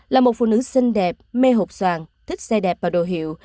là một phụ nữ xinh đẹp mê hộp xòn thích xe đẹp và đồ hiệu